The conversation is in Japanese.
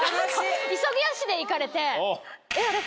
急ぎ足で行かれて。